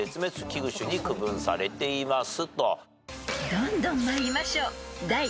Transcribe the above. ［どんどん参りましょう］